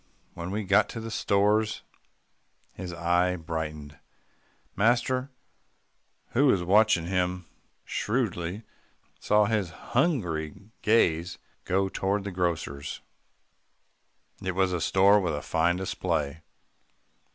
When we got to the stores, his eye brightened. Master, who was watching him shrewdly, saw his hungry gaze go toward the grocer's. It was a store with a fine display.